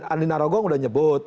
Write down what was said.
andina rogong udah nyebut